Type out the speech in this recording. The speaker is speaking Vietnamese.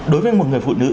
đối với một người phụ nữ